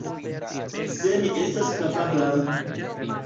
Se mi estas kapabla!